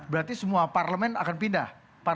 berarti semua parlemen akan pindah